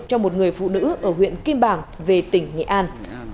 cho một người phụ nữ ở huyện kim bảng về tỉnh nghệ an